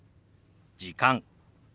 「時間」。